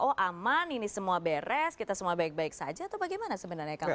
oh aman ini semua beres kita semua baik baik saja atau bagaimana sebenarnya kalau